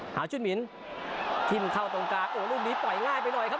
ชุดหมินทิ้มเข้าตรงกลางโอ้ลูกนี้ปล่อยง่ายไปหน่อยครับ